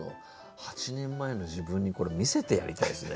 ８年前の自分にこれ見せてやりたいですね